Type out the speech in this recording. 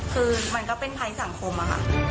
คือมันก็เป็นภัยสังคมอะค่ะ